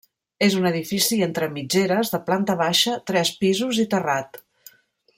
És un edifici entre mitgeres de planta baixa, tres pisos i terrat.